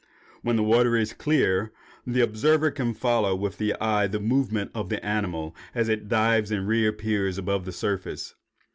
When the water is clear, the observer can follow with the eye the movements of the animal as it dives and reappears above the surface.